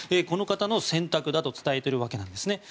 この方の選択だと伝えているわけです。